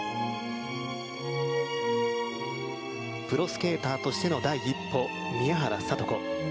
プロスケーターとしての第一歩、宮原知子。